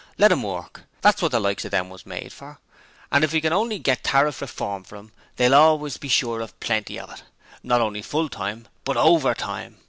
Let 'em work! That's wot the likes of them was made for, and if we can only get Tariff Reform for 'em they will always be sure of plenty of it not only Full Time, but Overtime!